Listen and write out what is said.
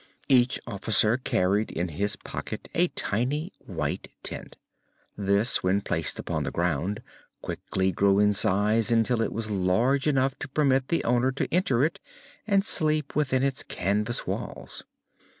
Each officer carried in his pocket a tiny white tent. This, when placed upon the ground, quickly grew in size until it was large enough to permit the owner to enter it and sleep within its canvas walls.